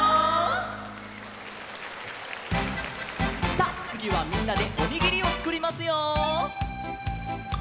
さあつぎはみんなでおにぎりをつくりますよ！